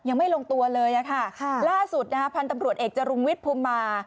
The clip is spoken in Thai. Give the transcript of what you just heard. ยังไม่ลงตัวเลยอะค่ะล่าสุดนะฮะพันธุ์ตำรวจเอกจรุงวิทย์ภูมิมา